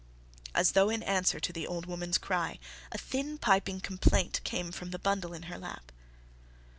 As though in answer to the old woman's cry, a thin piping complaint came from the bundle in her lap.